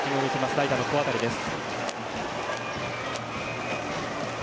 代打の古渡です。